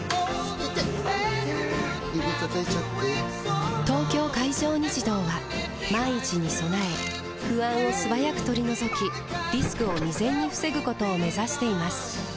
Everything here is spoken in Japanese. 指たたいちゃって・・・「東京海上日動」は万一に備え不安を素早く取り除きリスクを未然に防ぐことを目指しています